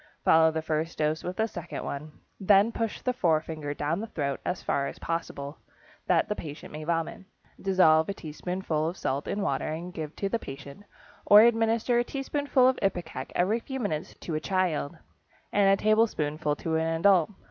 Follow the first dose with a second one. Then push the forefinger down the throat as far as possible, that the patient may vomit. Dissolve a teaspoonful of salt in water and give to the patient, or administer a teaspoonful of ipecac every few minutes to a child, and a tablespoonful to an adult.